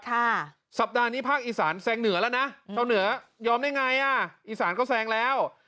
สัปดาห์นี้ภาคอีสานแซงเหนือแล้วนะชาวเหนือยอมได้ไงอ่ะอีสานก็แซงแล้ว